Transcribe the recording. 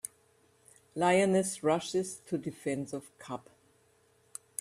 Lioness Rushes to Defense of Cub.